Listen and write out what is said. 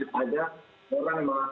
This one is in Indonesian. menampel data dari dunia sosial